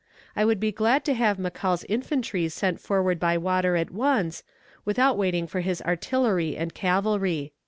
I would be glad to have McCall's infantry sent forward by water at once, without waiting for his artillery and cavalry."